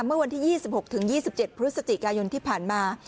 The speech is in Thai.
เมื่อวันที่๒๖๒๗พฤศจิกายนที่ผ่านมา